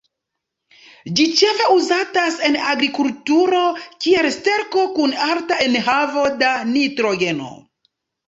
Ĝi ĉefe uzatas en agrikulturo kiel sterko kun alta enhavo da nitrogeno.